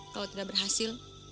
kalau tidak berhasil